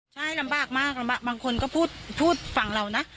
ใช่ลำบากมากลำบากบางคนก็พูดฝั่งเรานะ